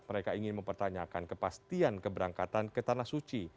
mereka ingin mempertanyakan kepastian keberangkatan ke tanah suci